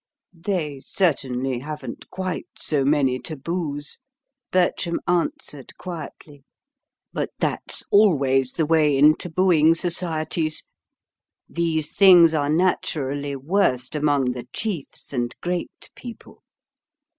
"They certainly haven't quite so many taboos," Bertram answered quietly. "But that's always the way in tabooing societies. These things are naturally worst among the chiefs and great people.